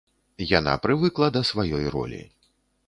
Яна прывыкла да сваёй ролі.